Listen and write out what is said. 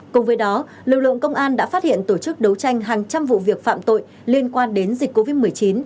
cùng với đó lực lượng công an đã phát hiện tổ chức đấu tranh hàng trăm vụ việc phạm tội liên quan đến dịch covid một mươi chín